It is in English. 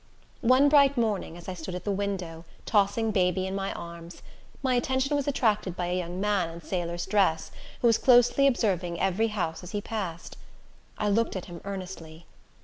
One bright morning, as I stood at the window, tossing baby in my arms, my attention was attracted by a young man in sailor's dress, who was closely observing every house as he passed. I looked at him earnestly.